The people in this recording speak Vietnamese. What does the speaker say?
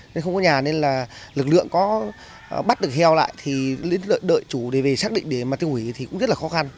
nên không có nhà nên là lực lượng có bắt được heo lại thì đợi chú để về xác định để mà tiêu hủy thì cũng rất là khó khăn